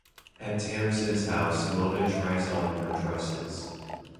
At Tamsin's house Mona tries on her dresses.